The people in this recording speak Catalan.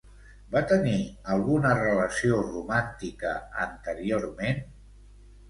Va tenir alguna relació romàntica anteriorment?